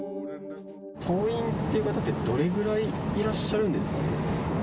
党員の方ってどれぐらいいらっしゃるんですかね？